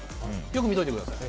よく見といてください。